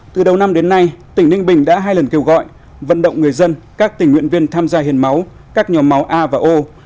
từ đầu năm đến nay tỉnh ninh bình đã hai lần kêu gọi vận động người dân các tình nguyện viên tham gia hiến máu các nhóm máu a và o